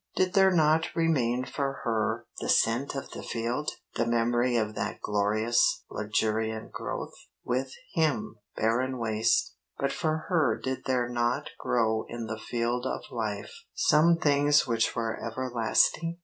Did there not remain for her the scent of the field? The memory of that glorious, luxuriant growth? With him barren waste but for her did there not grow in the field of life some things which were everlasting?